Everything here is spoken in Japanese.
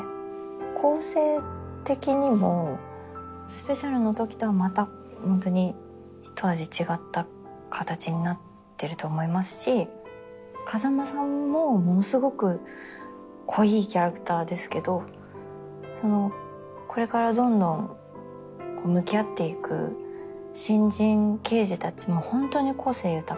構成的にもスペシャルのときとはまたホントにひと味違った形になってると思いますし風間さんもものすごく濃いキャラクターですけどこれからどんどん向き合っていく新人刑事たちもホントに個性豊かですし。